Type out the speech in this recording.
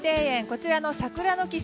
こちらの桜の木